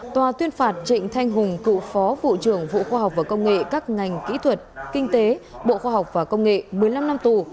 tòa tuyên phạt trịnh thanh hùng cựu phó vụ trưởng vụ khoa học và công nghệ các ngành kỹ thuật kinh tế bộ khoa học và công nghệ một mươi năm năm tù